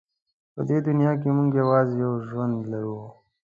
په دې دنیا کې موږ یوازې یو ژوند لرو.